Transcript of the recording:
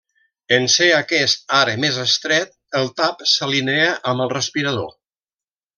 En ser aquest ara més estret, el tap s'alinea amb el respirador.